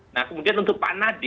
nah kemudian untuk pak nadi